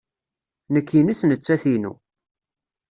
Nekk ines nettat inu.